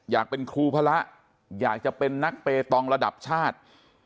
อยากเป็นครูพระอยากจะเป็นนักเปตองระดับชาติ